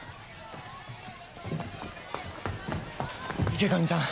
池上さん